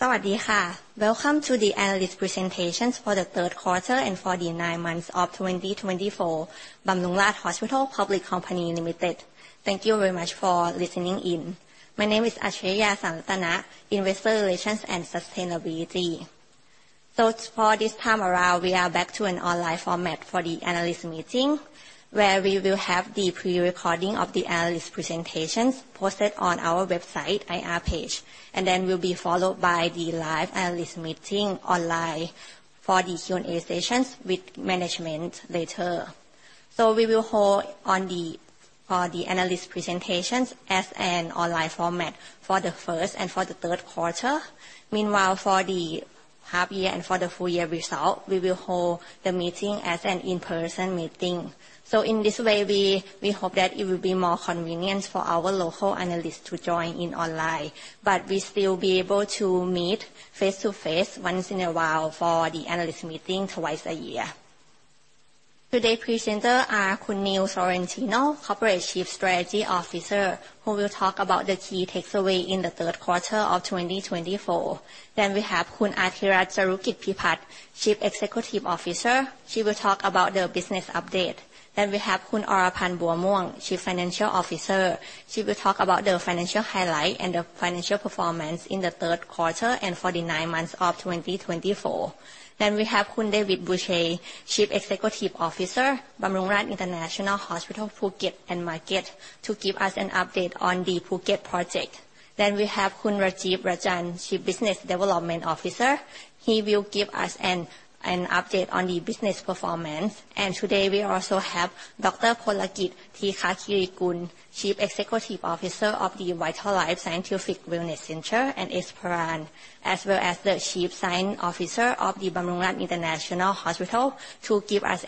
สวัสดีค่ะ. Welcome to the analyst presentations for the third quarter and for the nine months of 2024, Bumrungrad Hospital Public Company Limited. Thank you very much for listening in. My name is Achariya Sanrattana, Investor Relations and Sustainability. So for this time around, we are back to an online format for the analyst meeting, where we will have the pre-recording of the analyst presentations posted on our website IR page, and then will be followed by the live analyst meeting online for the Q&A sessions with management later. So we will hold on the analyst presentations as an online format for the first and for the third quarter. Meanwhile, for the half-year and for the full-year result, we will hold the meeting as an in-person meeting. In this way, we hope that it will be more convenient for our local analysts to join in online, but we still be able to meet face-to-face once in a while for the analyst meeting twice a year. Today's presenters are Khun Neil Sorrentino, Corporate Chief Strategy Officer, who will talk about the key takeaways in the third quarter of 2024. Then we have Khun Artirat Charukitpipat, Chief Executive Officer. She will talk about the business update. Then we have Khun Orapan Buamongkol, Chief Financial Officer. She will talk about the financial highlights and the financial performance in the third quarter and for the nine months of 2024. Then we have Khun David Boucher, Chief Executive Officer, Bumrungrad International Hospital Phuket and Market, to give us an update on the Phuket project. Then we have Khun Rajiv Rajan, Chief Business Development Officer. He will give us an update on the business performance. And today we also have Dr. Polakit Teekakirikul, Chief Executive Officer of the VitalLife Scientific Wellness Center and Esperance, as well as the Chief Science Officer of the Bumrungrad International Hospital, to give us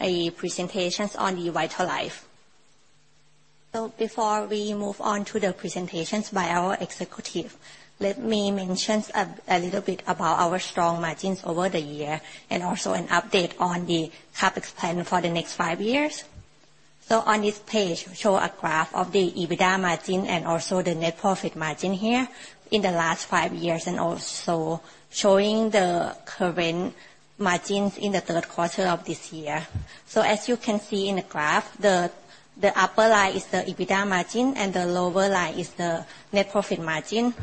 a presentation on the VitalLife. So before we move on to the presentations by our executive, let me mention a little bit about our strong margins over the year and also an update on the CapEx plan for the next five years. So on this page, we show a graph of the EBITDA margin and also the net profit margin here in the last five years, and also showing the current margins in the third quarter of this year. So as you can see in the graph, the upper line is the EBITDA margin and the lower line is the net profit margin.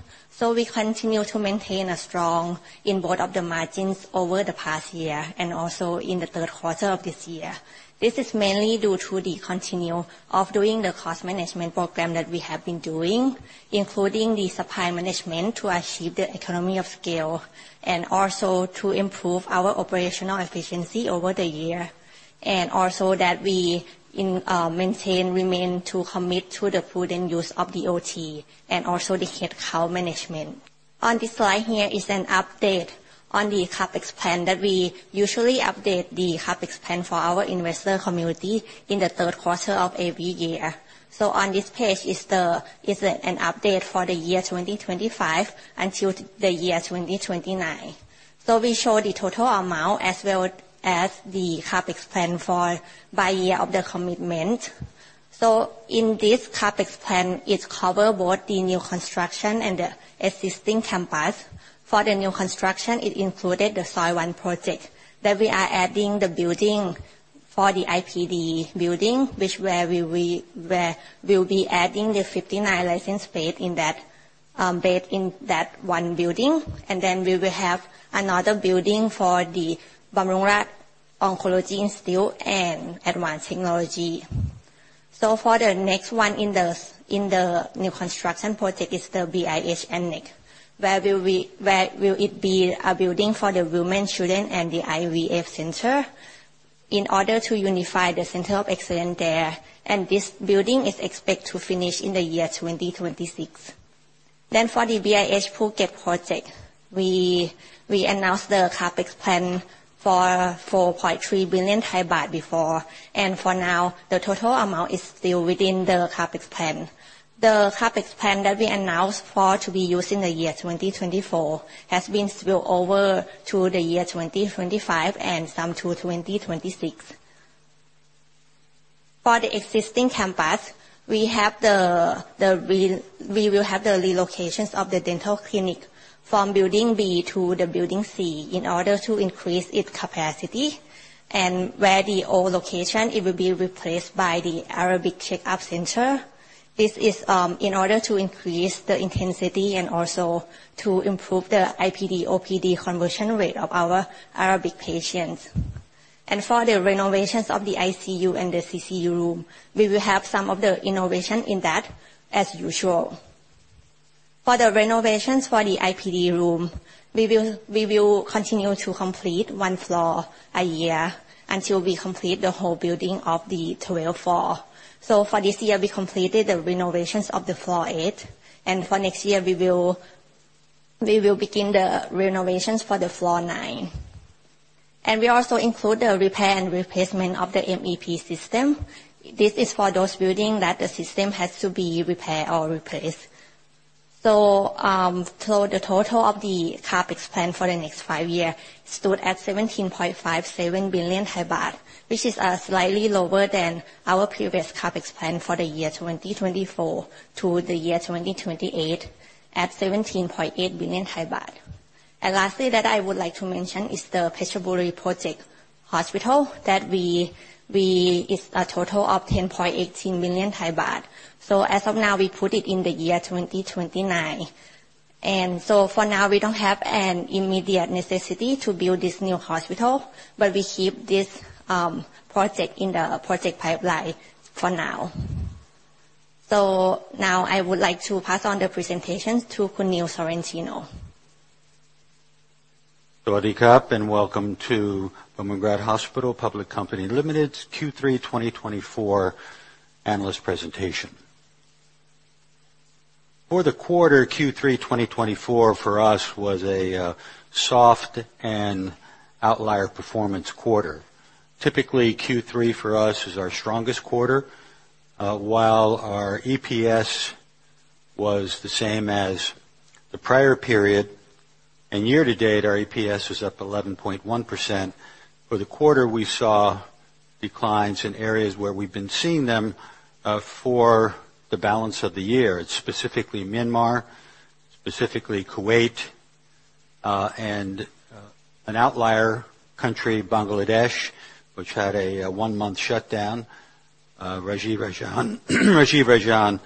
We continue to maintain a strong impact on the margins over the past year and also in the third quarter of this year. This is mainly due to the continuation of doing the cost management program that we have been doing, including the supply management to achieve the economies of scale and also to improve our operational efficiency over the year, and also that we remain committed to the prudent use of the OT and also the headcount management. On this slide here is an update on the CapEx plan that we usually update the CapEx plan for our investor community in the third quarter of every year. On this page is an update for the year 2025 until the year 2029. We show the total amount as well as the CapEx plan by year of the commitment. In this CapEx plan, it covers both the new construction and the existing campus. For the new construction, it included the Soi 1 Project that we are adding the building for the IPD building, where we will be adding the 59 ICU beds in that one building. And then we will have another building for the Bumrungrad Oncology Institute and Advanced Technology. For the next one in the new construction project is the BIH Annex, which will be a building for the Women, Children, and the IVF Center in order to unify the Center of Excellence there. And this building is expected to finish in the year 2026. For the BIH Phuket project, we announced the CapEx plan for 4.3 billion baht before, and for now, the total amount is still within the CapEx plan. The CapEx plan that we announced for to be used in the year 2024 has been spilled over to the year 2025 and some to 2026. For the existing campus, we will have the relocations of the dental clinic from Building B to Building C in order to increase its capacity, and where the old location, it will be replaced by the Arabic Checkup Center. This is in order to increase the intensity and also to improve the IPD-OPD conversion rate of our Arabic patients, and for the renovations of the ICU and the CCU room, we will have some of the innovation in that as usual. For the renovations for the IPD room, we will continue to complete one floor a year until we complete the whole building of the 12th floor. For this year, we completed the renovations of the floor eight, and for next year, we will begin the renovations for the floor nine. And we also include the repair and replacement of the MEP system. This is for those buildings that the system has to be repaired or replaced. So the total of the CapEx plan for the next five years stood at 17.57 billion baht, which is slightly lower than our previous CapEx plan for the year 2024 to the year 2028 at 17.8 billion baht. And lastly, that I would like to mention is the Phetchaburi Project Hospital that is a total of 10.18 billion baht. So as of now, we put it in the year 2029. And so for now, we don't have an immediate necessity to build this new hospital, but we keep this project in the project pipeline for now. So now I would like to pass on the presentation to Khun Neil Sorrentino. Sawadee krap and welcome to Bumrungrad Hospital Public Company Limited Q3 2024 analyst presentation. For the quarter, Q3 2024 for us was a soft and outlier performance quarter. Typically, Q3 for us is our strongest quarter, while our EPS was the same as the prior period and year-to-date, our EPS was up 11.1%. For the quarter, we saw declines in areas where we've been seeing them for the balance of the year. It is specifically Myanmar, specifically Kuwait, and an outlier country, Bangladesh, which had a one-month shutdown. Rajiv Rajan,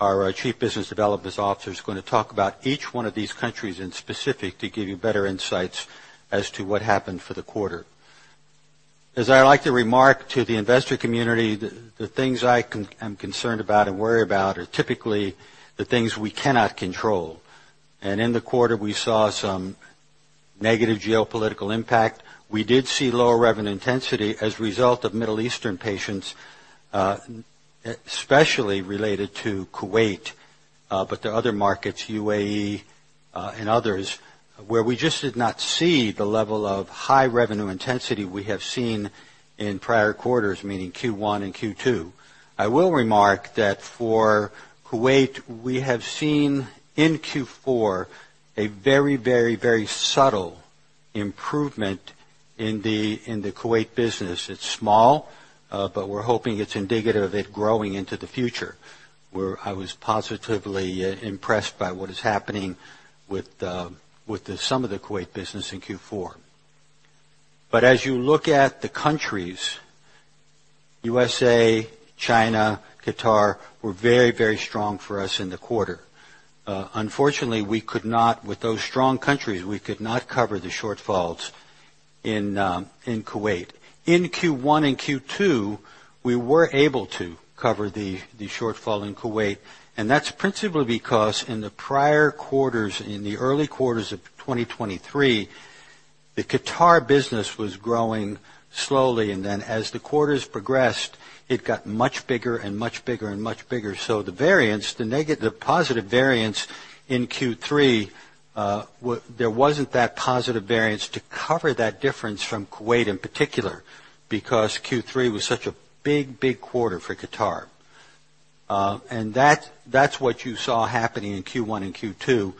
our Chief Business Development Officer, is going to talk about each one of these countries in specific to give you better insights as to what happened for the quarter. As I like to remark to the investor community, the things I am concerned about and worry about are typically the things we cannot control. In the quarter, we saw some negative geopolitical impact. We did see lower revenue intensity as a result of Middle Eastern patients, especially related to Kuwait, but the other markets, U.A.E., and others, where we just did not see the level of high revenue intensity we have seen in prior quarters, meaning Q1 and Q2. I will remark that for Kuwait, we have seen in Q4 a very, very, very subtle improvement in the Kuwait business. It's small, but we're hoping it's indicative of it growing into the future. I was positively impressed by what is happening with some of the Kuwait business in Q4. As you look at the countries, U.S.A., China, Qatar, were very, very strong for us in the quarter. Unfortunately, with those strong countries, we could not cover the shortfalls in Kuwait. In Q1 and Q2, we were able to cover the shortfall in Kuwait, and that's principally because in the prior quarters, in the early quarters of 2023, the Qatar business was growing slowly, and then as the quarters progressed, it got much bigger and much bigger and much bigger. So the positive variance in Q3, there wasn't that positive variance to cover that difference from Kuwait in particular because Q3 was such a big, big quarter for Qatar. And that's what you saw happening in Q1 and Q2.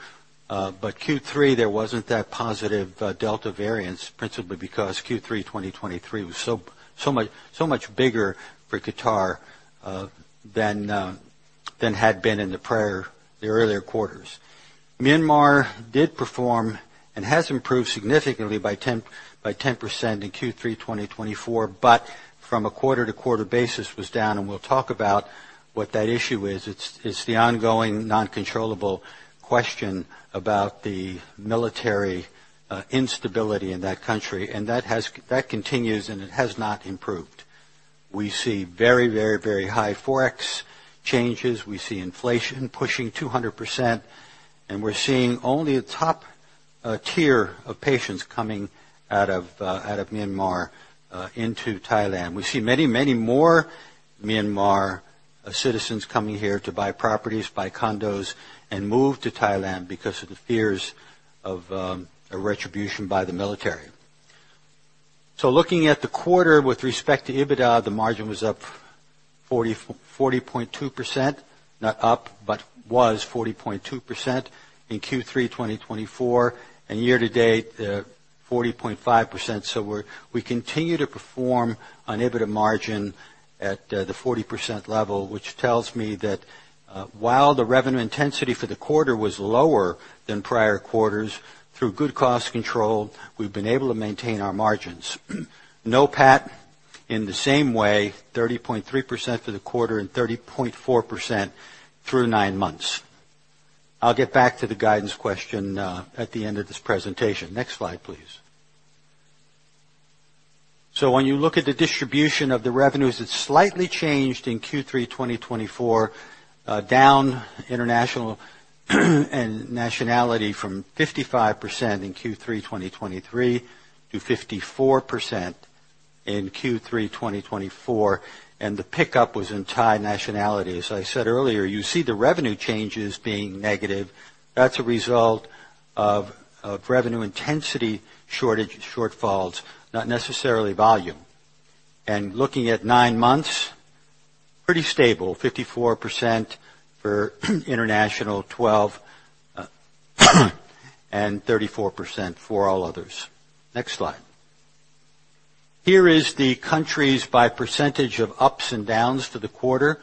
But Q3, there wasn't that positive delta variance, principally because Q3 2023 was so much bigger for Qatar than had been in the earlier quarters. Myanmar did perform and has improved significantly by 10% in Q3 2024, but from a quarter-to-quarter basis was down. And we'll talk about what that issue is. It's the ongoing non-controllable question about the military instability in that country, and that continues, and it has not improved. We see very, very, very high Forex changes. We see inflation pushing 200%, and we're seeing only a top tier of patients coming out of Myanmar into Thailand. We see many, many more Myanmar citizens coming here to buy properties, buy condos, and move to Thailand because of the fears of retribution by the military. So looking at the quarter with respect to EBITDA, the margin was up 40.2%, not up, but was 40.2% in Q3 2024, and year-to-date, 40.5%. So we continue to perform on EBITDA margin at the 40% level, which tells me that while the revenue intensity for the quarter was lower than prior quarters, through good cost control, we've been able to maintain our margins. NOPAT in the same way, 30.3% for the quarter and 30.4% through nine months. I'll get back to the guidance question at the end of this presentation. Next slide, please. So when you look at the distribution of the revenues, it's slightly changed in Q3 2024, down international and nationality from 55% in Q3 2023 to 54% in Q3 2024, and the pickup was in Thai nationality. As I said earlier, you see the revenue changes being negative. That's a result of revenue intensity shortfalls, not necessarily volume, and looking at nine months, pretty stable, 54% for international, 12%, and 34% for all others. Next slide. Here is the countries by percentage of ups and downs for the quarter.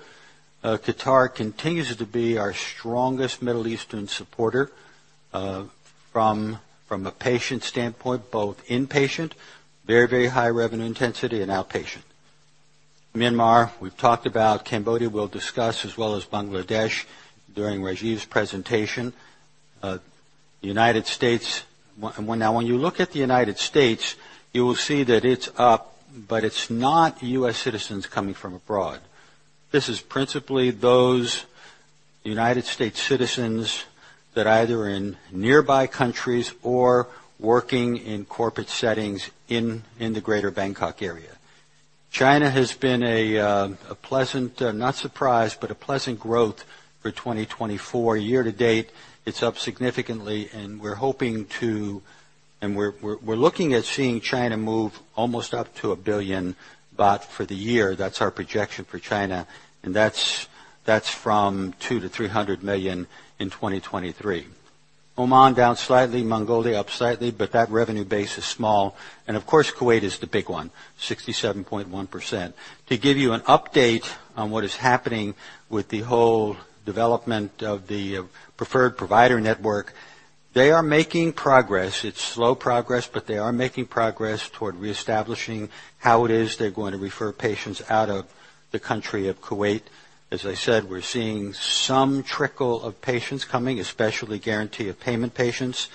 Qatar continues to be our strongest Middle Eastern supporter from a patient standpoint, both inpatient, very, very high revenue intensity, and outpatient. Myanmar, we've talked about, Cambodia we'll discuss, as well as Bangladesh during Rajiv's presentation. The United States, now when you look at the United States, you will see that it's up, but it's not U.S. citizens coming from abroad. This is principally those United States citizens that are either in nearby countries or working in corporate settings in the greater Bangkok area. China has been a pleasant, not surprise, but a pleasant growth for 2024. Year to date, it's up significantly, and we're hoping to, and we're looking at seeing China move almost up to 1 billion baht for the year. That's our projection for China, and that's from 200 to 300 million in 2023. Oman down slightly, Mongolia up slightly, but that revenue base is small. And of course, Kuwait is the big one, 67.1%. To give you an update on what is happening with the whole development of the preferred provider network, they are making progress. It's slow progress, but they are making progress toward reestablishing how it is they're going to refer patients out of the country of Kuwait. As I said, we're seeing some trickle of patients coming, especially guarantee of payment patients.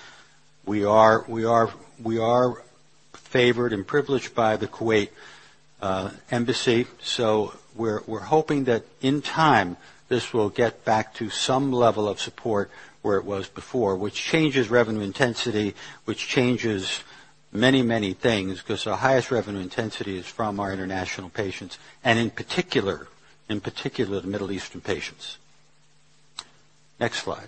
We are favored and privileged by the Kuwait embassy, so we're hoping that in time, this will get back to some level of support where it was before, which changes revenue intensity, which changes many, many things because our highest revenue intensity is from our international patients, and in particular, in particular, the Middle Eastern patients. Next slide,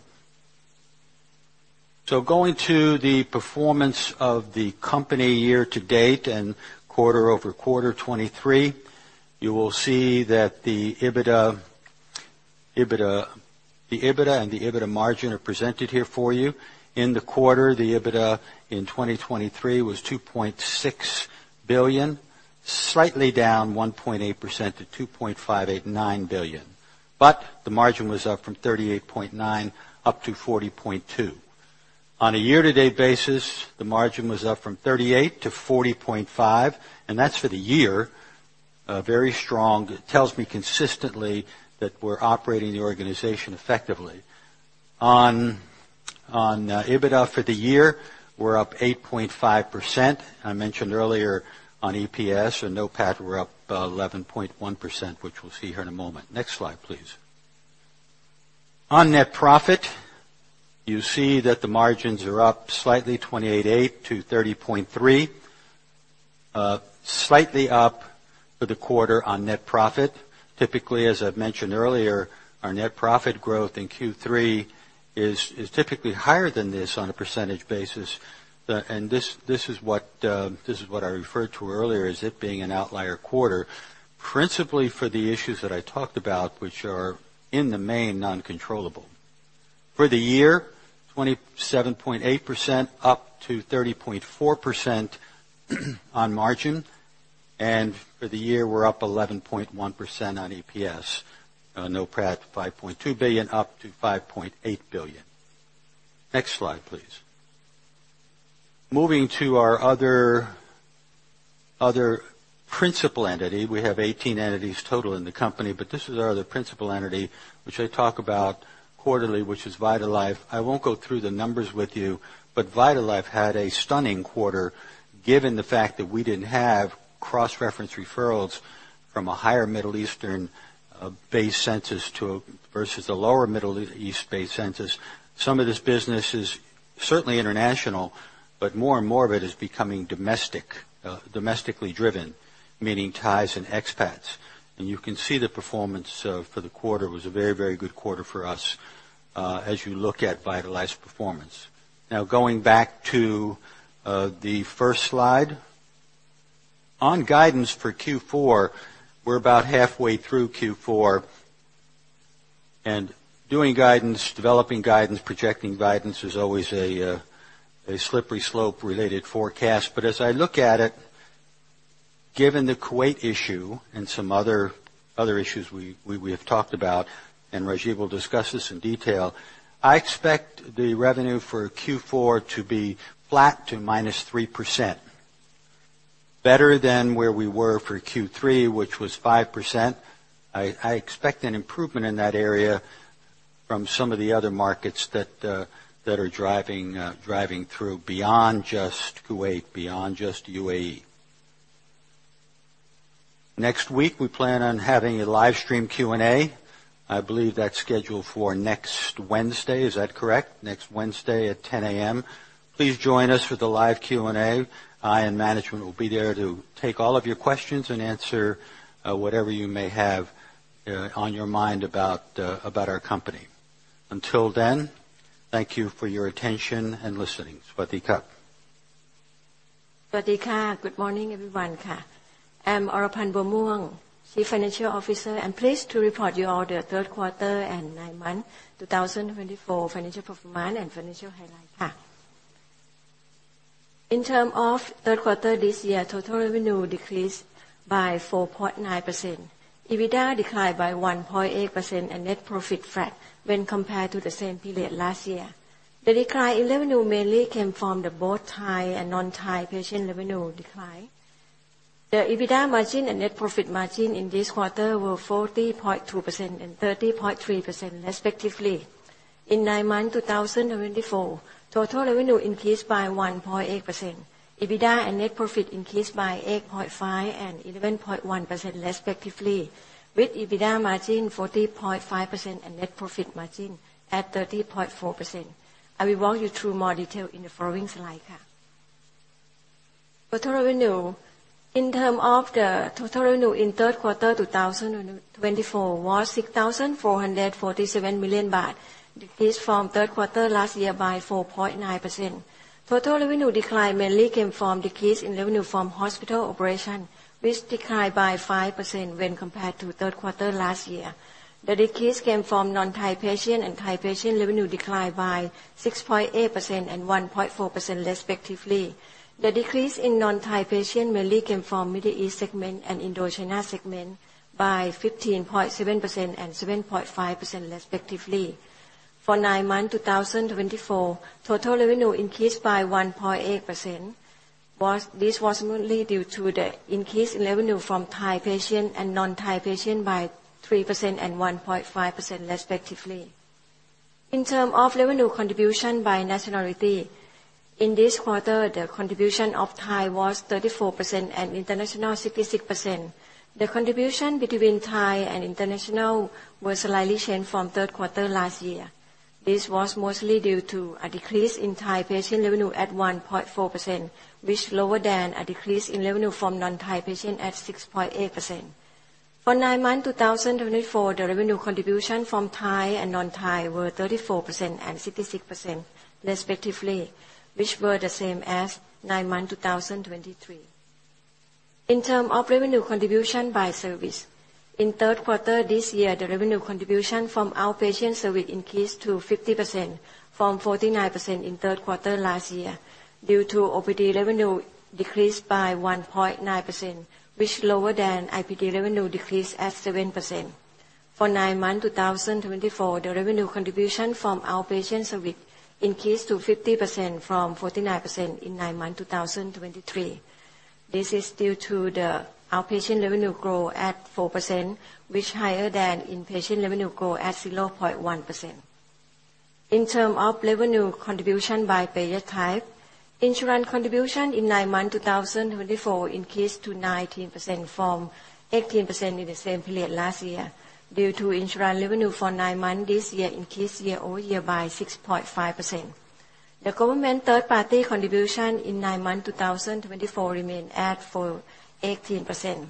so going to the performance of the company year-to-date and quarter-over-quarter 2023, you will see that the EBITDA and the EBITDA margin are presented here for you. In the quarter, the EBITDA in 2023 was 2.6 billion, slightly down 1.8% to 2.589 billion, but the margin was up from 38.9% up to 40.2%. On a year-to-date basis, the margin was up from 38% to 40.5%, and that's for the year. Very strong. It tells me consistently that we're operating the organization effectively. On EBITDA for the year, we're up 8.5%. I mentioned earlier on EPS and NOPAT, we're up 11.1%, which we'll see here in a moment. Next slide, please. On net profit, you see that the margins are up slightly, 28.8% to 30.3%, slightly up for the quarter on net profit. Typically, as I've mentioned earlier, our net profit growth in Q3 is typically higher than this on a percentage basis, and this is what I referred to earlier as it being an outlier quarter, principally for the issues that I talked about, which are in the main non-controllable. For the year, 27.8% up to 30.4% on margin, and for the year, we're up 11.1% on EPS. NOPAT 5.2 billion-5.8 billion. Next slide, please. Moving to our other principal entity. We have 18 entities total in the company, but this is our other principal entity, which I talk about quarterly, which is Vital Life. I won't go through the numbers with you, but Vital Life had a stunning quarter given the fact that we didn't have cross-reference referrals from a higher Middle Eastern-based census versus a lower Middle East-based census. Some of this business is certainly international, but more and more of it is becoming domestically driven, meaning Thais and expats, and you can see the performance for the quarter was a very, very good quarter for us as you look at VitalLife's performance. Now, going back to the first slide, on guidance for Q4, we're about halfway through Q4, and doing guidance, developing guidance, projecting guidance is always a slippery slope-related forecast, but as I look at it, given the Kuwait issue and some other issues we have talked about, and Rajiv will discuss this in detail, I expect the revenue for Q4 to be flat to -3%, better than where we were for Q3, which was 5%. I expect an improvement in that area from some of the other markets that are driving through beyond just Kuwait, beyond just U.A.E. Next week, we plan on having a livestream Q&A. I believe that's scheduled for next Wednesday. Is that correct? Next Wednesday at 10:00 A.M. Please join us for the live Q&A. I and management will be there to take all of your questions and answer whatever you may have on your mind about our company. Until then, thank you for your attention and listening. Sawasdee krub. Sawasdee ka. Good morning, everyone. Ka. Orapan Buamongkol, Chief Financial Officer, is pleased to report to you all the third quarter and nine months 2024 financial performance and financial highlights. In terms of third quarter this year, total revenue decreased by 4.9%. EBITDA declined by 1.8% and net profit flat when compared to the same period last year. The decline in revenue mainly came from both Thai and non-Thai patient revenue decline. The EBITDA margin and net profit margin in this quarter were 40.2% and 30.3% respectively. In nine months 2024, total revenue increased by 1.8%. EBITDA and net profit increased by 8.5% and 11.1% respectively, with EBITDA margin 40.5% and net profit margin at 30.4%. I will walk you through more detail in the following slide. Total revenue, in terms of the total revenue in third quarter 2024, was 6.447 million baht, decreased from third quarter last year by 4.9%. Total revenue decline mainly came from decrease in revenue from hospital operation, which declined by 5% when compared to third quarter last year. The decrease came from non-Thai patient and Thai patient revenue declined by 6.8% and 1.4% respectively. The decrease in non-Thai patient mainly came from Middle East segment and Indochina segment by 15.7% and 7.5% respectively. For nine months 2024, total revenue increased by 1.8%. This was mainly due to the increase in revenue from Thai patient and non-Thai patient by 3% and 1.5% respectively. In terms of revenue contribution by nationality, in this quarter, the contribution of Thai was 34% and international 66%. The contribution between Thai and international was slightly changed from third quarter last year. This was mostly due to a decrease in Thai patient revenue at 1.4%, which is lower than a decrease in revenue from non-Thai patient at 6.8%. For nine months 2024, the revenue contribution from Thai and non-Thai were 34% and 66% respectively, which were the same as nine months 2023. In terms of revenue contribution by service, in third quarter this year, the revenue contribution from outpatient service increased to 50% from 49% in third quarter last year due to OPD revenue decreased by 1.9%, which is lower than IPD revenue decreased at 7%. For nine months 2024, the revenue contribution from outpatient service increased to 50% from 49% in nine months 2023. This is due to the outpatient revenue growth at 4%, which is higher than inpatient revenue growth at 0.1%. In terms of revenue contribution by payer type, insurance contribution in nine months 2024 increased to 19% from 18% in the same period last year due to insurance revenue for nine months this year increased year-over-year by 6.5%. The government third-party contribution in nine months 2024 remained at 18%.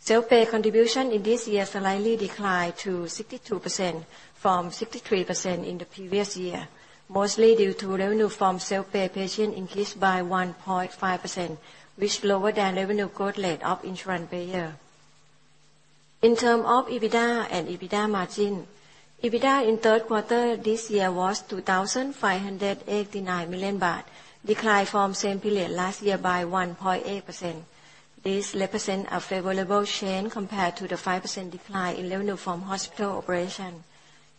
Self-pay contribution in this year slightly declined to 62% from 63% in the previous year, mostly due to revenue from self-pay patient increased by 1.5%, which is lower than revenue growth rate of insurance payer. In terms of EBITDA and EBITDA margin, EBITDA in third quarter this year was 2.589 million baht, declined from same period last year by 1.8%. This represents a favorable change compared to the 5% decline in revenue from hospital operation.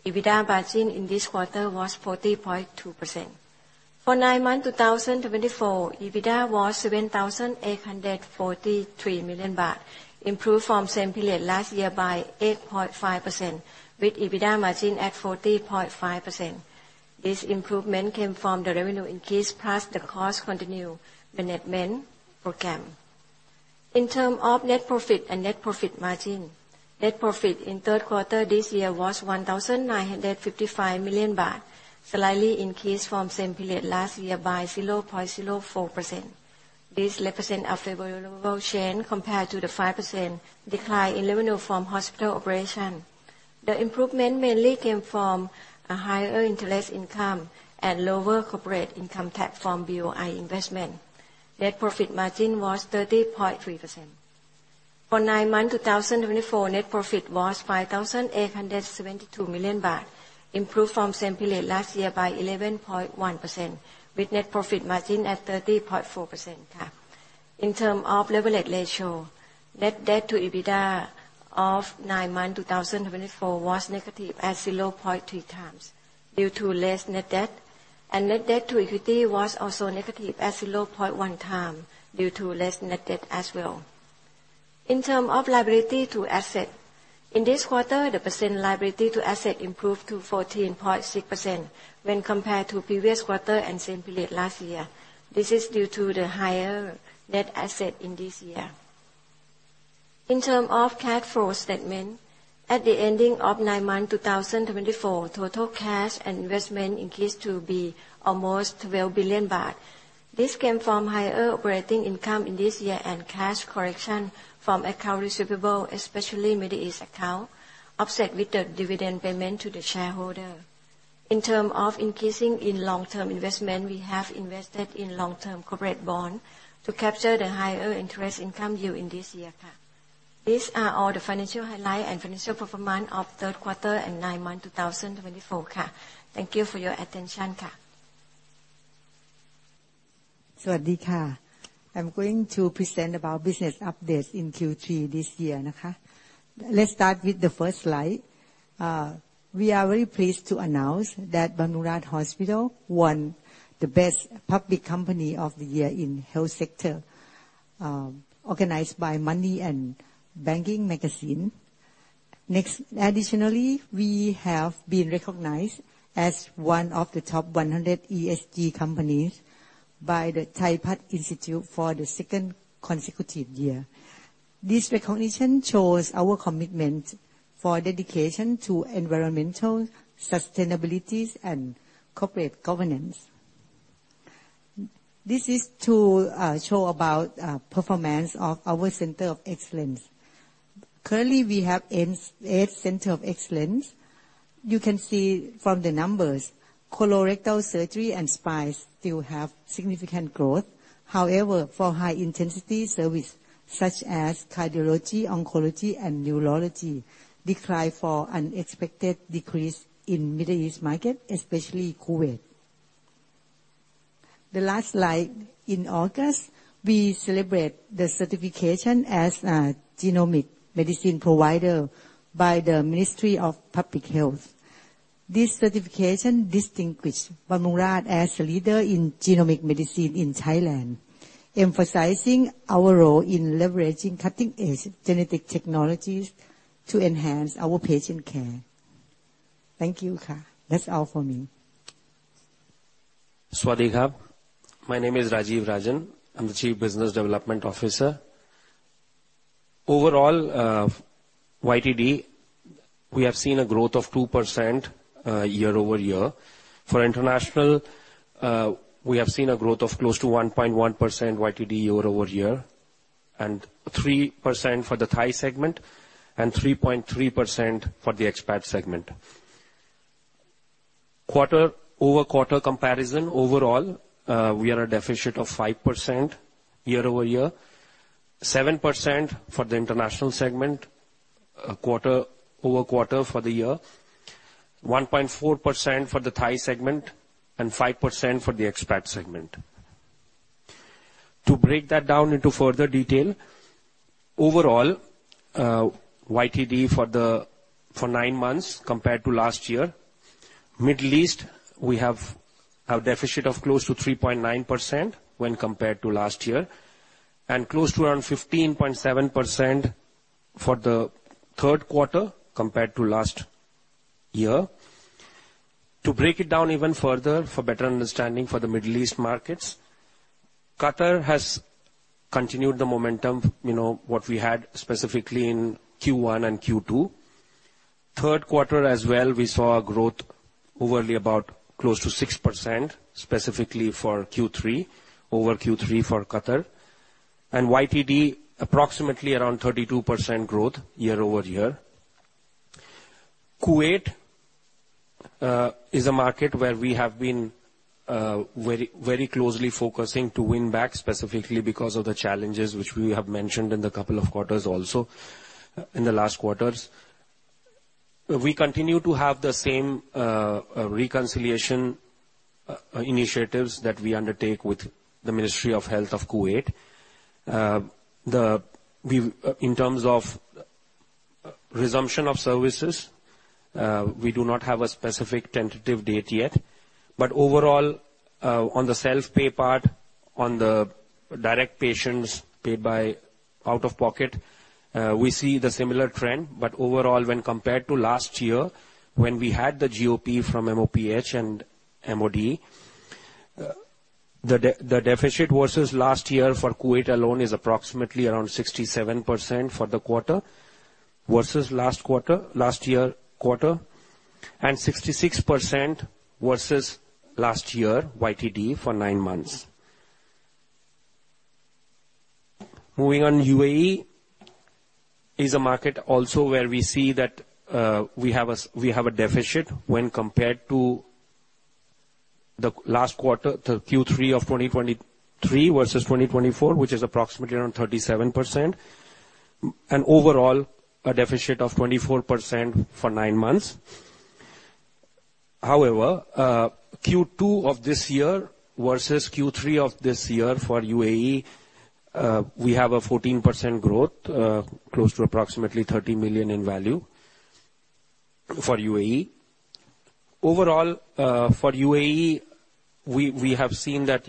EBITDA margin in this quarter was 40.2%. For nine months 2024, EBITDA was 7.843 million baht, improved from same period last year by 8.5%, with EBITDA margin at 40.5%. This improvement came from the revenue increase plus the cost-continued management program. In terms of net profit and net profit margin, net profit in third quarter this year was 1.955 million baht, slightly increased from same period last year by 0.04%. This represents a favorable change compared to the 5% decline in revenue from hospital operation. The improvement mainly came from a higher interest income and lower corporate income tax from BOI investment. Net profit margin was 30.3%. For nine months 2024, net profit was 5.872 million baht, improved from same period last year by 11.1%, with net profit margin at 30.4%. In terms of leverage ratio, net debt to EBITDA of nine months 2024 was negative at 0.3 times due to less net debt, and net debt to equity was also negative at 0.1 times due to less net debt as well. In terms of liability to asset, in this quarter, the liability to asset % improved to 14.6% when compared to previous quarter and same period last year. This is due to the higher net asset in this year. In terms of cash flow statement, at the ending of nine months 2024, total cash and investment increased to be almost 12 billion baht. This came from higher operating income in this year and cash collection from accounts receivable, especially Middle East account, offset with the dividend payment to the shareholder. In terms of increasing in long-term investment, we have invested in long-term corporate bonds to capture the higher interest income yield in this year. These are all the financial highlights and financial performance of third quarter and nine months 2024. Thank you for your attention. สวัสดีค่ะ I'm going to present about business updates in Q3 this year. Let's start with the first slide. We are very pleased to announce that Bumrungrad Hospital won the Best Public Company of the Year in Health Sector, organized by Money and Banking Magazine. Additionally, we have been recognized as one of the top 100 ESG companies by the Thaipat Institute for the second consecutive year. This recognition shows our commitment for dedication to environmental sustainability and corporate governance. This is to show about the performance of our Center of Excellence. Currently, we have eight Center of Excellence. You can see from the numbers, colorectal surgery and spines still have significant growth. However, for high-intensity services such as cardiology, oncology, and neurology, they saw an unexpected decrease in the Middle East market, especially Kuwait. The last slide, in August, we celebrated the certification as a Genomic Medicine Provider by the Ministry of Public Health. This certification distinguished Bumrungrad as a leader in Genomic Medicine in Thailand, emphasizing our role in leveraging cutting-edge genetic technologies to enhance our patient care. Thank you. That's all for me. สวัสดีครับ My name is Rajiv Rajan. I'm the Chief Business Development Officer. Overall, YTD, we have seen a growth of 2% year-over-year. For international, we have seen a growth of close to 1.1% YTD year-over-year, and 3% for the Thai segment, and 3.3% for the expat segment. Quarter-over-quarter comparison, overall, we are at a deficit of 5% year-over-year, 7% for the international segment, quarter-over-quarter for the year, 1.4% for the Thai segment, and 5% for the expat segment. To break that down into further detail, overall, YTD for nine months compared to last year, Middle East, we have a deficit of close to 3.9% when compared to last year, and close to around 15.7% for the third quarter compared to last year. To break it down even further for better understanding for the Middle East markets, Qatar has continued the momentum, what we had specifically in Q1 and Q2. Third quarter as well, we saw a growth overly about close to 6%, specifically for Q3, over Q3 for Qatar and YTD, approximately around 32% growth year-over-year. Kuwait is a market where we have been very closely focusing to win back, specifically because of the challenges which we have mentioned in the couple of quarters also, in the last quarters. We continue to have the same reconciliation initiatives that we undertake with the Ministry of Health of Kuwait. In terms of resumption of services, we do not have a specific tentative date yet. But overall, on the self-pay part, on the direct patients paid by out-of-pocket, we see the similar trend. But overall, when compared to last year, when we had the GOP from MOPH and MOD, the deficit versus last year for Kuwait alone is approximately around 67% for the quarter versus last quarter, last year quarter, and 66% versus last year, YTD, for nine months. Moving on, U.A.E. is a market also where we see that we have a deficit when compared to the last quarter, Q3 of 2023 versus 2024, which is approximately around 37%, and overall, a deficit of 24% for nine months. However, Q2 of this year versus Q3 of this year for U.A.E., we have a 14% growth, close to approximately 30 million in value for U.A.E., overall, for U.A.E., we have seen that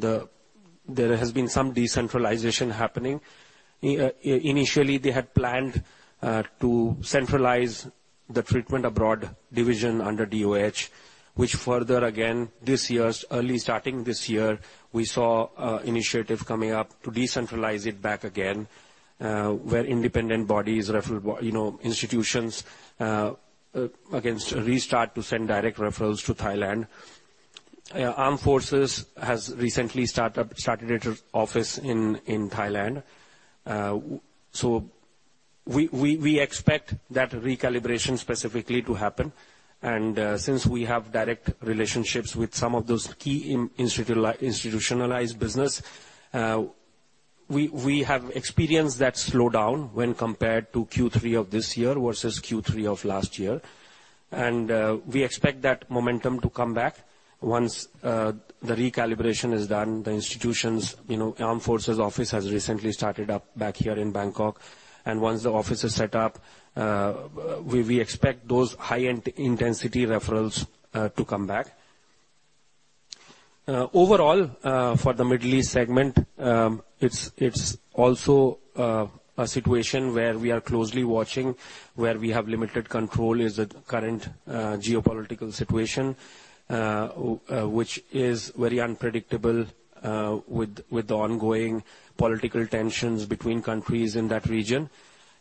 there has been some decentralization happening. Initially, they had planned to centralize the treatment abroad division under DOH, which further, again, this year, early starting this year, we saw an initiative coming up to decentralize it back again, where independent bodies, institutions, again, restart to send direct referrals to Thailand. Armed Forces has recently started its office in Thailand. So we expect that recalibration specifically to happen. And since we have direct relationships with some of those key institutionalized businesses, we have experienced that slowdown when compared to Q3 of this year versus Q3 of last year. And we expect that momentum to come back once the recalibration is done. The institutions, Armed Forces office has recently started up back here in Bangkok. And once the office is set up, we expect those high-intensity referrals to come back. Overall, for the Middle East segment, it's also a situation where we are closely watching. Where we have limited control is the current geopolitical situation, which is very unpredictable with the ongoing political tensions between countries in that region.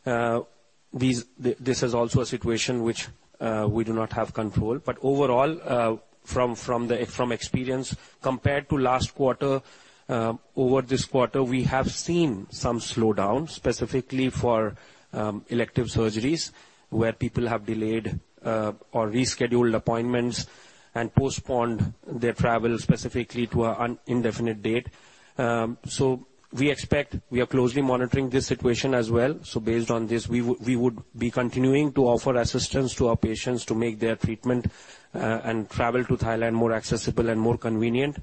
This is also a situation which we do not have control. But overall, from experience, compared to last quarter, over this quarter, we have seen some slowdown, specifically for elective surgeries, where people have delayed or rescheduled appointments and postponed their travel specifically to an indefinite date. So we expect we are closely monitoring this situation as well. So based on this, we would be continuing to offer assistance to our patients to make their treatment and travel to Thailand more accessible and more convenient.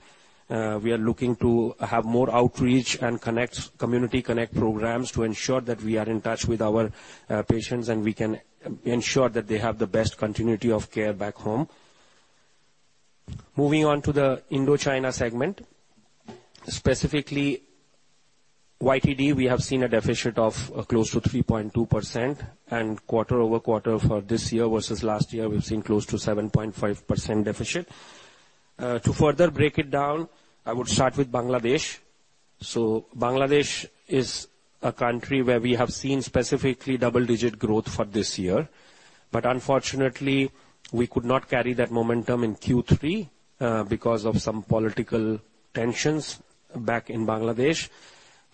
We are looking to have more outreach and community connect programs to ensure that we are in touch with our patients and we can ensure that they have the best continuity of care back home. Moving on to the Indochina segment, specifically YTD, we have seen a deficit of close to 3.2%, and quarter-over-quarter for this year versus last year, we've seen close to 7.5% deficit. To further break it down, I would start with Bangladesh. Bangladesh is a country where we have seen specifically double-digit growth for this year. But unfortunately, we could not carry that momentum in Q3 because of some political tensions back in Bangladesh,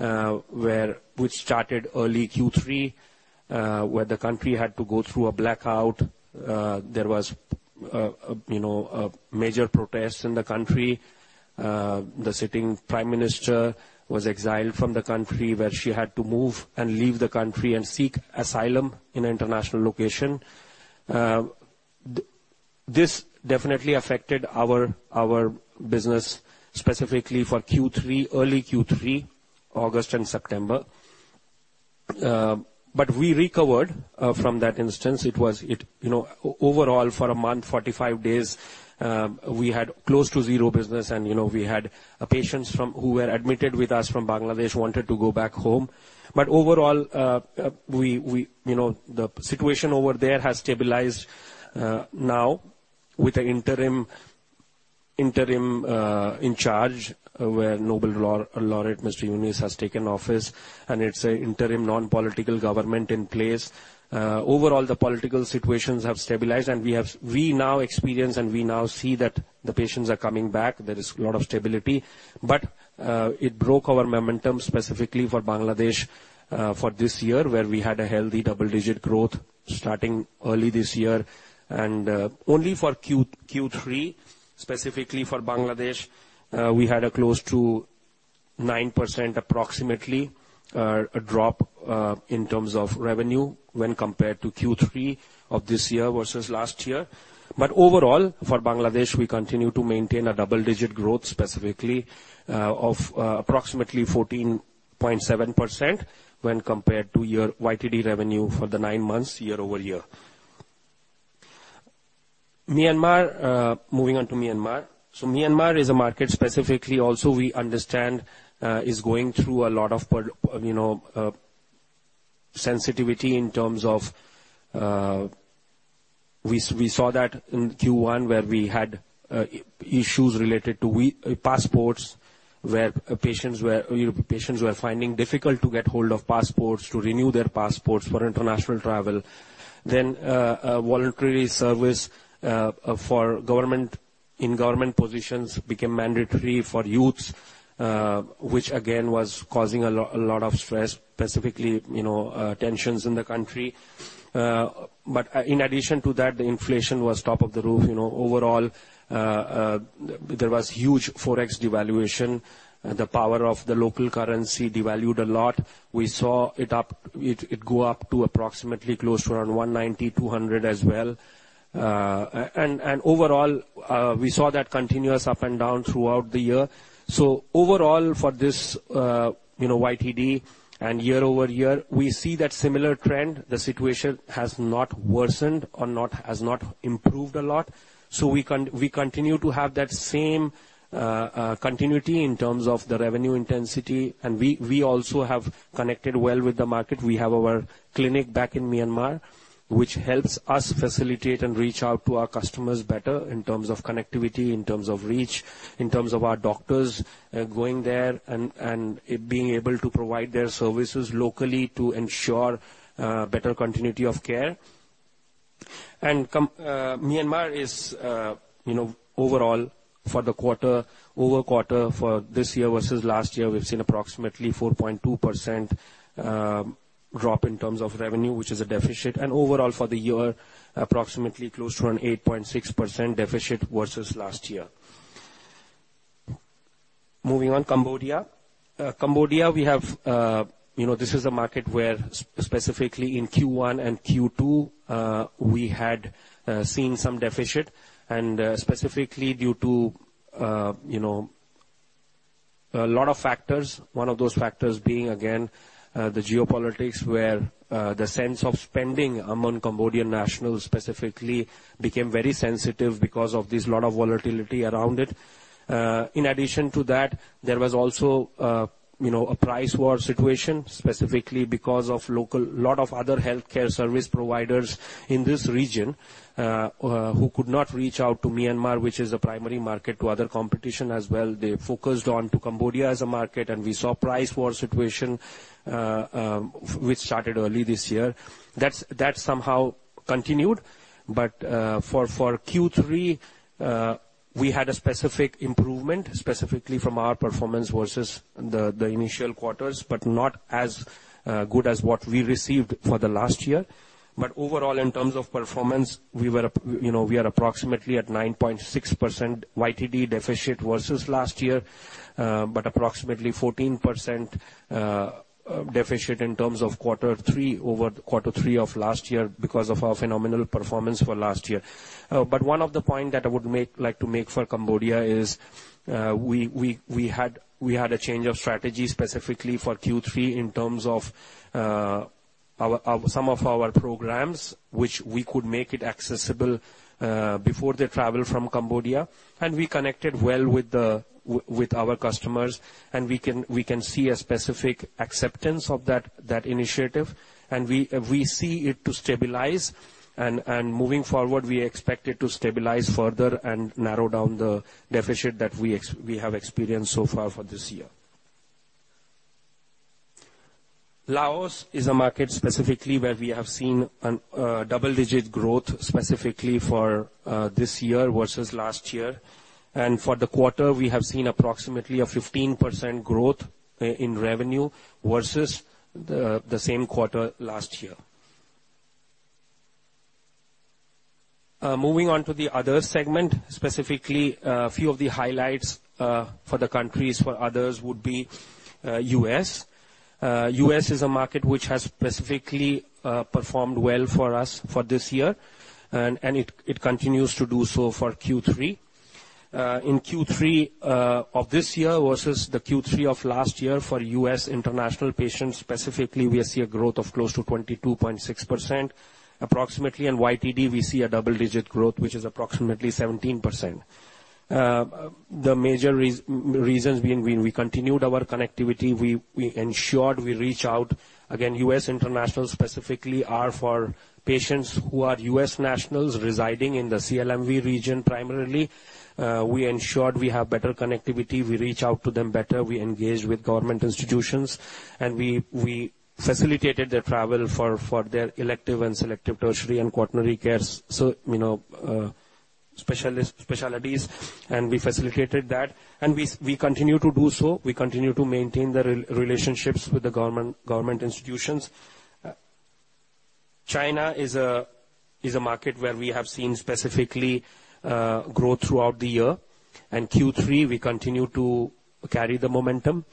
which started early Q3, where the country had to go through a blackout. There was major protests in the country. The sitting prime minister was exiled from the country, where she had to move and leave the country and seek asylum in an international location. This definitely affected our business, specifically for Q3, early Q3, August and September. But we recovered from that instance. Overall, for a month, 45 days, we had close to zero business, and we had patients who were admitted with us from Bangladesh wanted to go back home. But overall, the situation over there has stabilized now with the interim government in charge, where Nobel laureate Mr. Muhammad Yunus. Yunus has taken office, and it's an interim non-political government in place. Overall, the political situations have stabilized, and we now experience and we now see that the patients are coming back. There is a lot of stability, but it broke our momentum specifically for Bangladesh for this year, where we had a healthy double-digit growth starting early this year, and only for Q3, specifically for Bangladesh, we had a close to 9% approximately drop in terms of revenue when compared to Q3 of this year versus last year. But overall, for Bangladesh, we continue to maintain a double-digit growth, specifically of approximately 14.7% when compared to YTD revenue for the nine months year-over-year. Moving on to Myanmar. Myanmar is a market specifically also we understand is going through a lot of sensitivity in terms of we saw that in Q1, where we had issues related to passports, where patients were finding difficult to get hold of passports, to renew their passports for international travel. Then voluntary service for in-government positions became mandatory for youths, which again was causing a lot of stress, specifically tensions in the country. But in addition to that, the inflation was top of the roof. Overall, there was huge forex devaluation. The power of the local currency devalued a lot. We saw it go up to approximately close to around 190, 200 as well. And overall, we saw that continuous up and down throughout the year. So overall, for this YTD and year-over-year, we see that similar trend. The situation has not worsened or has not improved a lot. We continue to have that same continuity in terms of the revenue intensity. We also have connected well with the market. We have our clinic back in Myanmar, which helps us facilitate and reach out to our customers better in terms of connectivity, in terms of reach, in terms of our doctors going there and being able to provide their services locally to ensure better continuity of care. Myanmar is overall for the quarter, over quarter for this year versus last year. We've seen approximately 4.2% drop in terms of revenue, which is a deficit. Overall for the year, approximately close to around 8.6% deficit versus last year. Moving on, Cambodia. Cambodia. This is a market where specifically in Q1 and Q2, we had seen some deficit. Specifically due to a lot of factors, one of those factors being again the geopolitics, where the sense of spending among Cambodian nationals specifically became very sensitive because of this lot of volatility around it. In addition to that, there was also a price war situation, specifically because of a lot of other healthcare service providers in this region who could not reach out to Myanmar, which is a primary market to other competition as well. They focused on Cambodia as a market, and we saw price war situation, which started early this year. That somehow continued. For Q3, we had a specific improvement, specifically from our performance versus the initial quarters, but not as good as what we received for the last year. But overall, in terms of performance, we are approximately at 9.6% YTD deficit versus last year, but approximately 14% deficit in terms of quarter three over quarter three of last year because of our phenomenal performance for last year. One of the points that I would like to make for Cambodia is we had a change of strategy specifically for Q3 in terms of some of our programs, which we could make it accessible before they travel from Cambodia. We connected well with our customers, and we can see a specific acceptance of that initiative. We see it to stabilize. Moving forward, we expect it to stabilize further and narrow down the deficit that we have experienced so far for this year. Laos is a market specifically where we have seen double-digit growth specifically for this year versus last year. For the quarter, we have seen approximately a 15% growth in revenue versus the same quarter last year. Moving on to the other segment, specifically a few of the highlights for the countries for others would be U.S., U.S. is a market which has specifically performed well for us for this year, and it continues to do so for Q3. In Q3 of this year versus the Q3 of last year for U.S. international patients, specifically, we see a growth of close to 22.6% approximately. YTD, we see a double-digit growth, which is approximately 17%. The major reasons being we continued our connectivity. We ensured we reach out. Again, U.S. international specifically are for patients who are U.S. nationals residing in the CLMV region primarily. We ensured we have better connectivity. We reach out to them better. We engage with government institutions, and we facilitated their travel for their elective and selective tertiary and quaternary care specialties. And we facilitated that. And we continue to do so. We continue to maintain the relationships with the government institutions. China is a market where we have seen specifically growth throughout the year. And Q3, we continue to carry the momentum.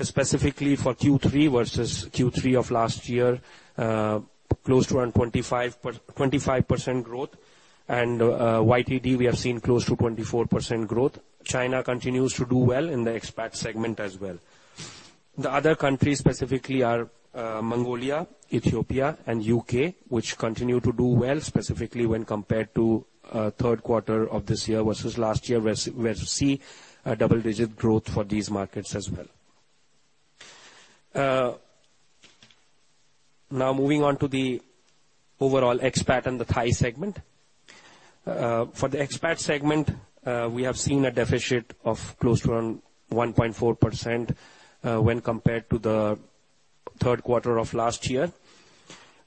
Specifically for Q3 versus Q3 of last year, close to around 25% growth. And YTD, we have seen close to 24% growth. China continues to do well in the expat segment as well. The other countries specifically are Mongolia, Ethiopia, and U.K., which continue to do well, specifically when compared to third quarter of this year versus last year, where we see a double-digit growth for these markets as well. Now, moving on to the overall expat and the Thai segment. For the expat segment, we have seen a deficit of close to around 1.4% when compared to the third quarter of last year.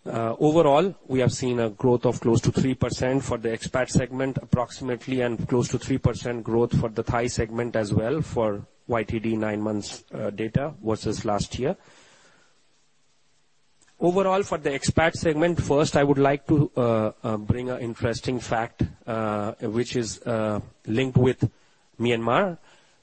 Overall, we have seen a growth of close to 3% for the expat segment approximately and close to 3% growth for the Thai segment as well for YTD nine months data versus last year. Overall, for the expat segment, first, I would like to bring an interesting fact, which is linked with Myanmar.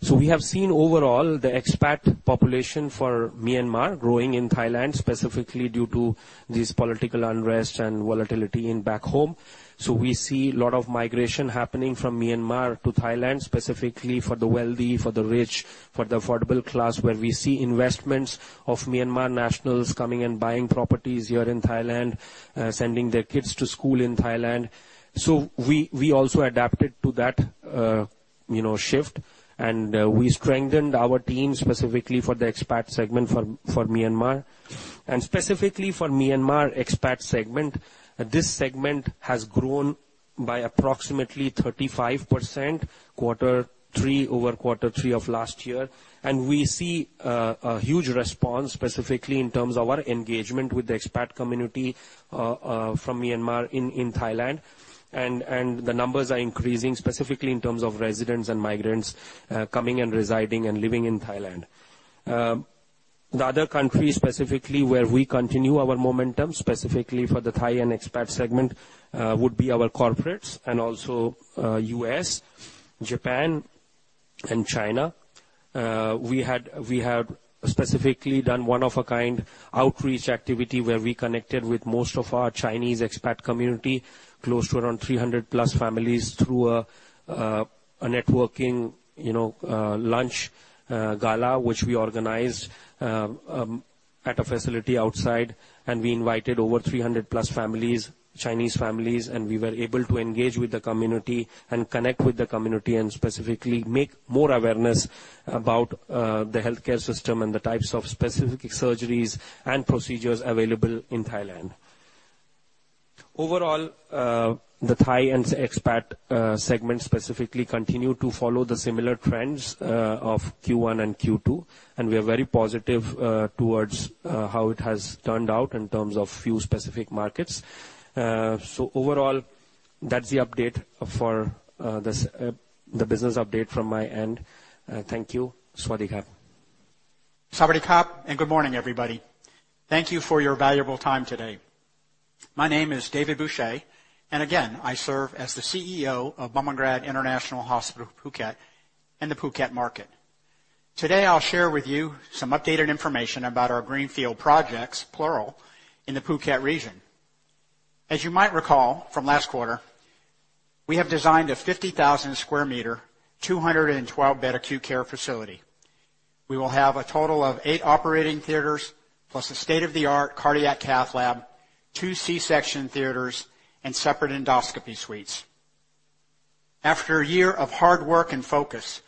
So we have seen overall the expat population for Myanmar growing in Thailand, specifically due to these political unrest and volatility back home. So we see a lot of migration happening from Myanmar to Thailand, specifically for the wealthy, for the rich, for the affordable class, where we see investments of Myanmar nationals coming and buying properties here in Thailand, sending their kids to school in Thailand. So we also adapted to that shift, and we strengthened our team specifically for the expat segment for Myanmar. And specifically for Myanmar expat segment, this segment has grown by approximately 35% quarter three over quarter three of last year. And we see a huge response specifically in terms of our engagement with the expat community from Myanmar in Thailand. And the numbers are increasing specifically in terms of residents and migrants coming and residing and living in Thailand. The other country specifically where we continue our momentum specifically for the Thai and expat segment would be our corporates and also U.S., Japan, and China. We have specifically done one-of-a-kind outreach activity where we connected with most of our Chinese expat community, close to around 300+ families through a networking lunch gala, which we organized at a facility outside. And we invited over 300+ Chinese families, and we were able to engage with the community and connect with the community and specifically make more awareness about the healthcare system and the types of specific surgeries and procedures available in Thailand. Overall, the Thai and expat segment specifically continue to follow the similar trends of Q1 and Q2. And we are very positive towards how it has turned out in terms of few specific markets. So overall, that's the update for the business update from my end. Thank you. Sawasdee krap. Sawasdee krap and good morning, everybody. Thank you for your valuable time today. My name is David Boucher, and again, I serve as the CEO of Bumrungrad International Hospital Phuket and the Phuket market. Today, I'll share with you some updated information about our greenfield projects, plural, in the Phuket region. As you might recall from last quarter, we have designed a 50,000-square-meter 212-bed acute care facility. We will have a total of eight operating theaters plus a state-of-the-art cardiac cath lab, two C-section theaters, and separate endoscopy suites. After a year of hard work and focus,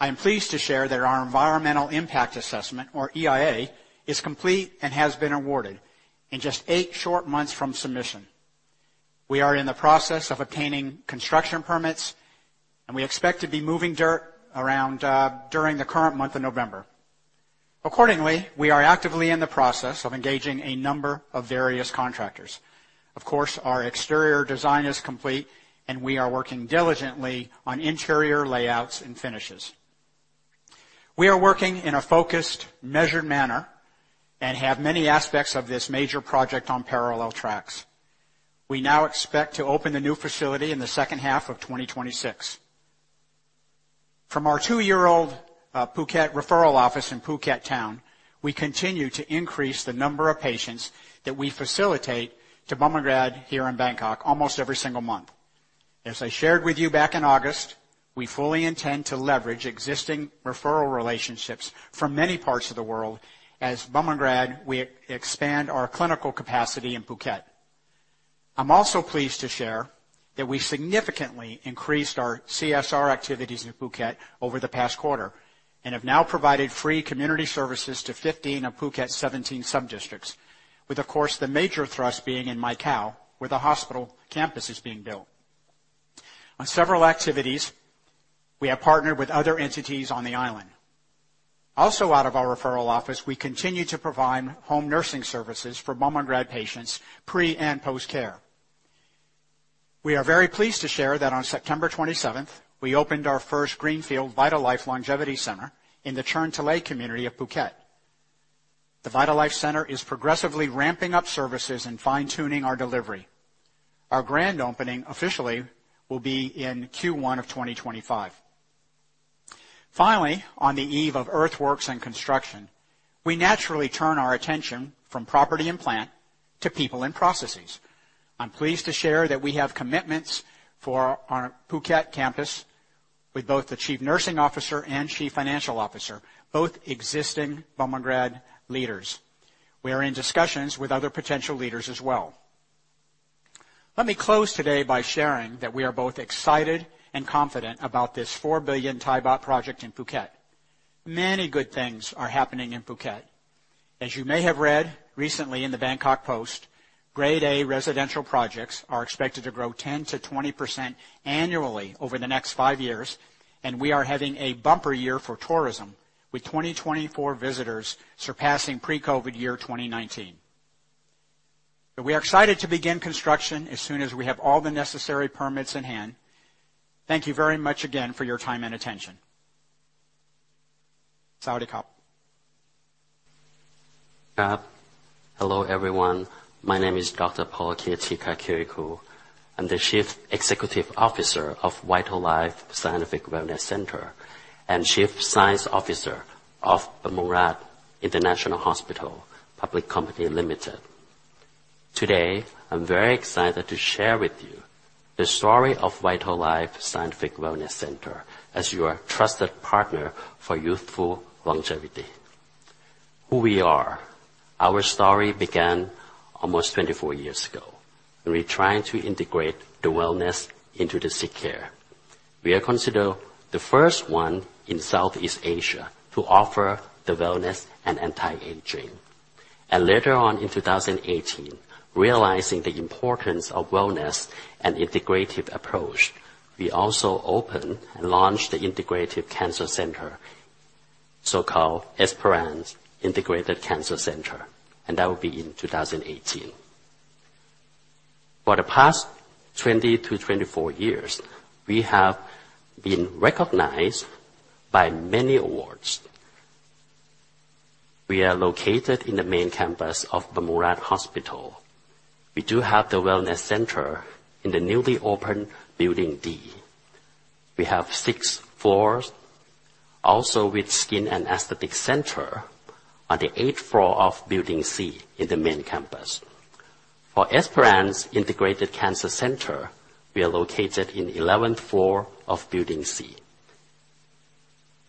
I am pleased to share that our environmental impact assessment, or EIA, is complete and has been awarded in just eight short months from submission. We are in the process of obtaining construction permits, and we expect to be moving dirt around during the current month of November. Accordingly, we are actively in the process of engaging a number of various contractors. Of course, our exterior design is complete, and we are working diligently on interior layouts and finishes. We are working in a focused, measured manner and have many aspects of this major project on parallel tracks. We now expect to open the new facility in the second half of 2026. From our two-year-old Phuket referral office in Phuket Town, we continue to increase the number of patients that we facilitate to Bumrungrad here in Bangkok almost every single month. As I shared with you back in August, we fully intend to leverage existing referral relationships from many parts of the world as Bumrungrad expands our clinical capacity in Phuket. I'm also pleased to share that we significantly increased our CSR activities in Phuket over the past quarter and have now provided free community services to 15 of Phuket's 17 subdistricts, with, of course, the major thrust being in Mai Khao, where the hospital campus is being built. On several activities, we have partnered with other entities on the island. Also, out of our referral office, we continue to provide home nursing services for Bumrungrad patients pre and post-care. We are very pleased to share that on September 27th, we opened our first greenfield Vital Life Longevity Center in the Cherng Talay community of Phuket. The Vital Life Center is progressively ramping up services and fine-tuning our delivery. Our grand opening officially will be in Q1 of 2025. Finally, on the eve of earthworks and construction, we naturally turn our attention from property and plant to people and processes. I'm pleased to share that we have commitments for our Phuket campus with both the Chief Nursing Officer and Chief Financial Officer, both existing Bumrungrad leaders. We are in discussions with other potential leaders as well. Let me close today by sharing that we are both excited and confident about this 4 billion baht project in Phuket. Many good things are happening in Phuket. As you may have read recently in the Bangkok Post, Grade A residential projects are expected to grow 10%-20% annually over the next five years, and we are having a bumper year for tourism with 2024 visitors surpassing pre-COVID year 2019. We are excited to begin construction as soon as we have all the necessary permits in hand. Thank you very much again for your time and attention. Sawasdee krap. Hello everyone. My name is Dr. Polakit T. Teekakirikul. I'm the Chief Executive Officer of VitalLife Scientific Wellness Center and chief science officer of Bumrungrad International Hospital Public Company Limited. Today, I'm very excited to share with you the story of VitalLife Scientific Wellness Center as your trusted partner for youthful longevity. Who we are. Our story began almost 24 years ago. We're trying to integrate the wellness into the sick care. We are considered the first one in Southeast Asia to offer the wellness and anti-aging. Later on in 2018, realizing the importance of wellness and integrative approach, we also opened and launched the Integrative Cancer Center, so-called Esperance Integrated Cancer Center. And that will be in 2018. For the past 20 to 24 years, we have been recognized by many awards. We are located in the main campus of Bumrungrad Hospital. We do have the wellness center in the newly opened Building D. We have six floors, also with Skin and Aesthetic Center on the eighth floor of Building C in the main campus. For Esperance Integrated Cancer Center, we are located in the 11th floor of Building C.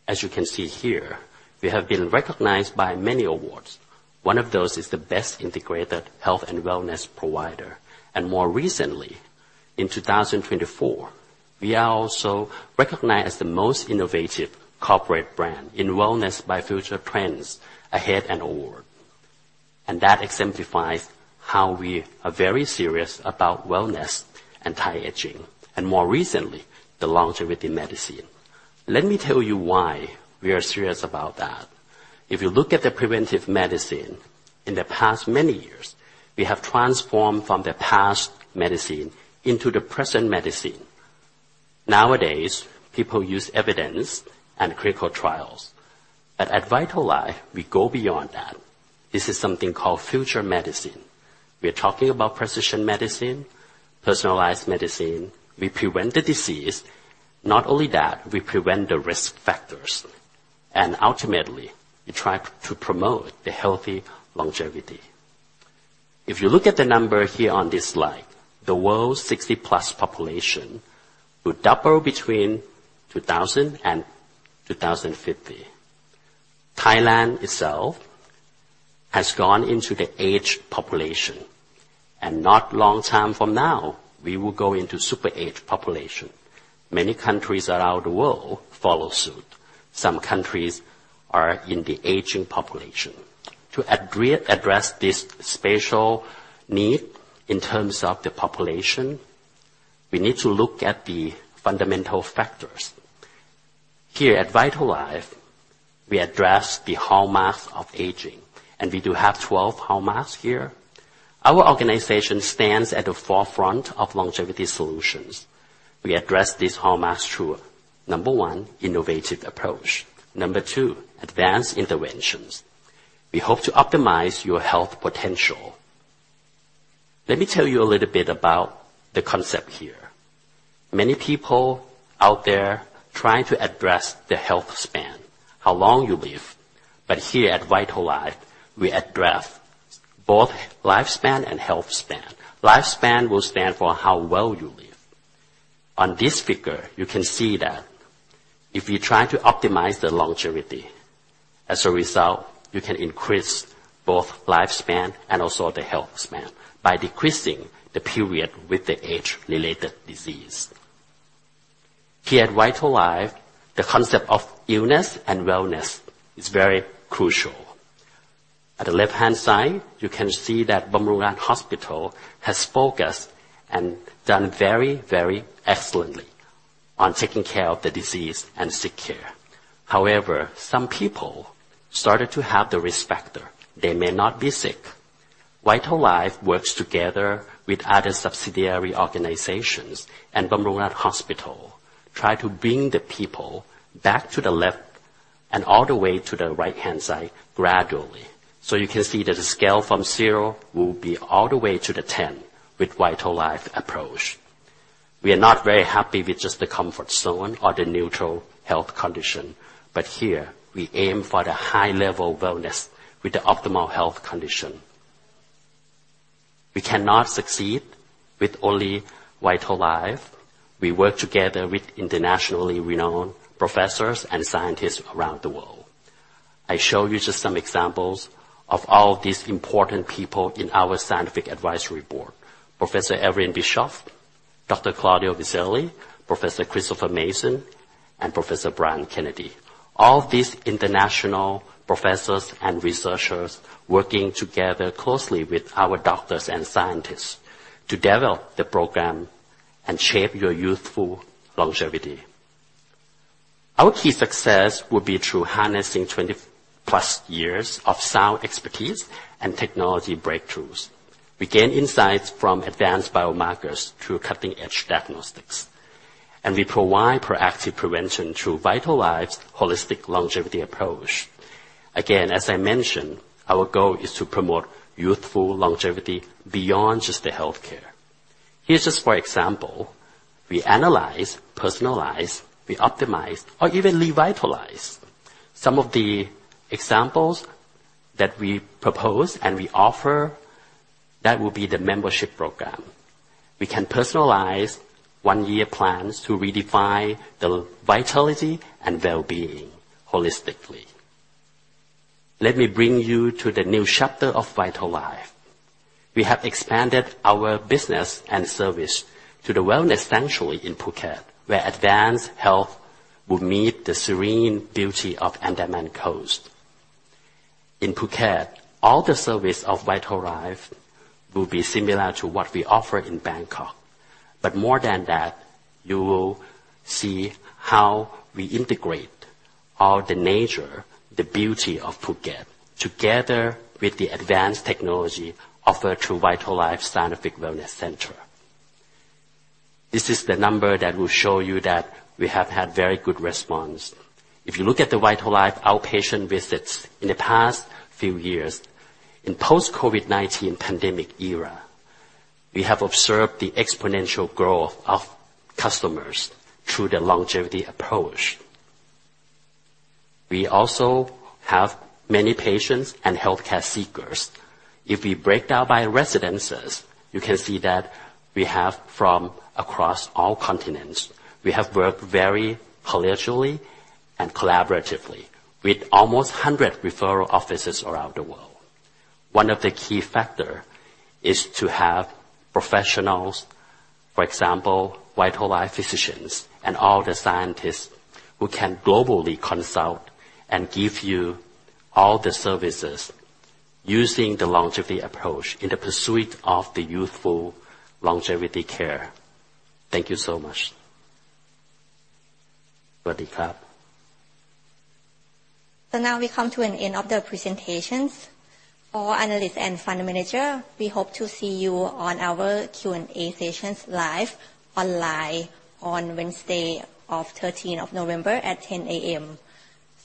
As you can see here, we have been recognized by many awards. One of those is the Best Integrated Health and Wellness Provider, and more recently, in 2024, we are also recognized as the most innovative corporate brand in wellness by Future Trends Ahead Award, and that exemplifies how we are very serious about wellness and anti-aging, and more recently, the longevity medicine. Let me tell you why we are serious about that. If you look at the preventive medicine, in the past many years, we have transformed from the past medicine into the present medicine. Nowadays, people use evidence and clinical trials. But at Vital Life, we go beyond that. This is something called future medicine. We are talking about precision medicine, personalized medicine. We prevent the disease. Not only that, we prevent the risk factors, and ultimately, we try to promote the healthy longevity. If you look at the number here on this slide, the world's 60+ population will double between 2000 and 2050. Thailand itself has gone into the aged population, and not a long time from now, we will go into super-aged population. Many countries around the world follow suit. Some countries are in the aging population. To address this special need in terms of the population, we need to look at the fundamental factors. Here at Vital Life, we address the hallmarks of aging, and we do have 12 hallmarks here. Our organization stands at the forefront of longevity solutions. We address these hallmarks through, number one, innovative approach. Number two, advanced interventions. We hope to optimize your health potential. Let me tell you a little bit about the concept here. Many people out there try to address the health span, how long you live. But here at Vital Life, we address both lifespan and health span. Lifespan will stand for how well you live. On this figure, you can see that if we try to optimize the longevity, as a result, you can increase both lifespan and also the health span by decreasing the period with the age-related disease. Here at Vital Life, the concept of illness and wellness is very crucial. At the left-hand side, you can see that Bumrungrad Hospital has focused and done very, very excellently on taking care of the disease and sick care. However, some people started to have the risk factor. They may not be sick. Vital Life works together with other subsidiary organizations and Bumrungrad Hospital try to bring the people back to the left and all the way to the right-hand side gradually. So you can see that the scale from zero will be all the way to the 10 with Vital Life approach. We are not very happy with just the comfort zone or the neutral health condition, but here we aim for the high-level wellness with the optimal health condition. We cannot succeed with only Vital Life. We work together with internationally renowned professors and scientists around the world. I show you just some examples of all these important people in our scientific advisory board: Professor Erwin Bischof, Dr. Claudio Vizzelli, Professor Christopher Mason, and Professor Brian Kennedy. All these international professors and researchers working together closely with our doctors and scientists to develop the program and shape your youthful longevity. Our key success will be through harnessing 20+ years of sound expertise and technology breakthroughs. We gain insights from advanced biomarkers through cutting-edge diagnostics. And we provide proactive prevention through Vital Life's holistic longevity approach. Again, as I mentioned, our goal is to promote youthful longevity beyond just the healthcare. Here's just for example, we analyze, personalize, we optimize, or even revitalize. Some of the examples that we propose and we offer that will be the membership program. We can personalize one-year plans to redefine the vitality and well-being holistically. Let me bring you to the new chapter of Vital Life. We have expanded our business and service to the wellness sanctuary in Phuket, where advanced health will meet the serene beauty of Andaman Coast. In Phuket, all the service of Vital Life will be similar to what we offer in Bangkok. But more than that, you will see how we integrate all the nature, the beauty of Phuket, together with the advanced technology offered through Vital Life Scientific Wellness Center. This is the number that will show you that we have had very good response. If you look at the Vital Life outpatient visits in the past few years, in the post-COVID-19 pandemic era, we have observed the exponential growth of customers through the longevity approach. We also have many patients and healthcare seekers. If we break down by residences, you can see that we have from across all continents. We have worked very collegially and collaboratively with almost 100 referral offices around the world. One of the key factors is to have professionals, for example, Vital Life physicians and all the scientists who can globally consult and give you all the services using the longevity approach in the pursuit of the youthful longevity care. Thank you so much. Sawasdee kap. So now we come to an end of the presentations. For analysts and fund managers, we hope to see you on our Q&A sessions live online on Wednesday, the 13th of November at 10:00 A.M.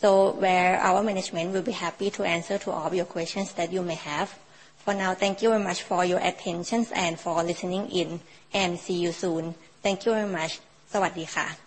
So our management will be happy to answer all your questions that you may have. For now, thank you very much for your attention and for listening in, and see you soon. Thank you very much. Sawasdee kap.